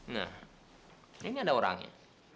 nah ini ada orangnya